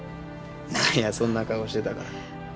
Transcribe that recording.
何やそんな顔してたから。